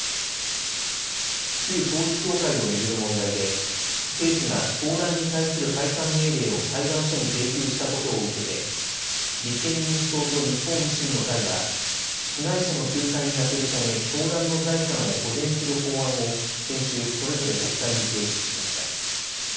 旧統一教会を巡る問題で政府が教団に対する解散命令を裁判所に請求したことを受けて立憲民主党と日本維新の会は被害者の救済に充てるため教団の財産を保全する法案を先週、それぞれ国会に提出しました。